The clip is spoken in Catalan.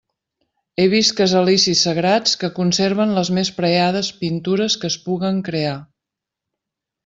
He vist casalicis sagrats que conserven les més preades pintures que es puguen crear.